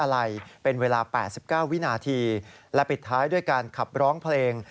และปลิดท้ายด้วยการขับร้องเพลง